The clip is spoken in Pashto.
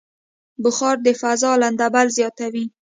بخار د فضا لندبل زیاتوي.